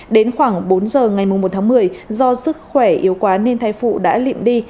đến khoảng bốn giờ ngày một tháng một mươi do sức khỏe yếu quá nên thai phụ đã lim đi